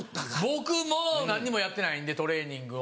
僕もう何にもやってないんでトレーニングを。